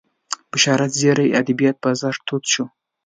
بشارت زیري ادبیات بازار تود شو